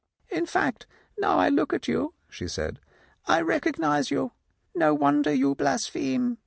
"In fact, now I look at you," she said, "I recog nize you. No wonder you blaspheme.